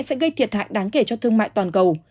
sẽ gây thiệt hại đáng kể cho thương mại toàn cầu